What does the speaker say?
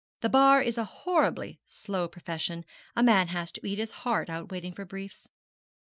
The Bar is a horribly slow profession. A man has to eat his heart out waiting for briefs.'